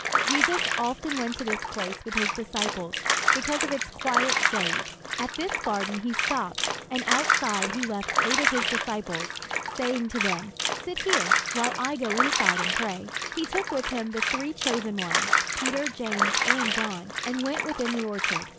Jesus often went to this place with his disciples, because of its quiet shade. At this garden he stopped, and outside he left eight of his disciples, saying to them, "Sit here while I go inside and pray." He took with him the three chosen ones, Peter, James, and John, and went within the orchard.